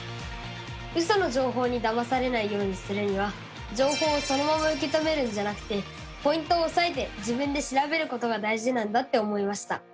ウソの情報にだまされないようにするには情報をそのまま受け止めるんじゃなくてポイントをおさえて自分で調べることが大事なんだって思いました！